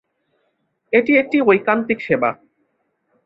এটি একটি ঐকান্তিক সেবা।